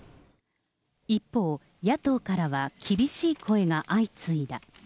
一方、野党からは厳しい声が相次いだ。